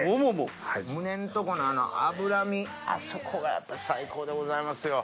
胸んとこのあの脂身あそこがやっぱ最高でございますよ。